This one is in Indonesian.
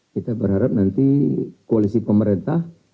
kita berharap nanti koalisi pemerintah